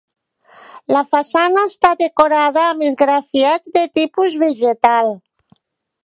La façana està decorada amb esgrafiats de tipus vegetal.